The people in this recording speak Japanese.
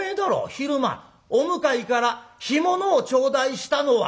昼間お向かいから干物を頂戴したのは」。